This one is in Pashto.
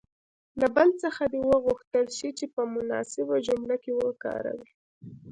له بل څخه دې وغوښتل شي چې په مناسبه جمله کې وکاروي.